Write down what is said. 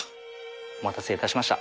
お待たせいたしました。